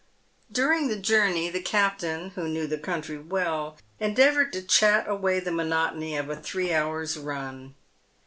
PAVED WITH GOLD. 185 During the journey, the captain, who knew the country well, endeavoured to chat away the monotony of a three hours' run.